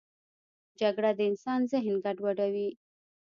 جګړه د انسان ذهن ګډوډوي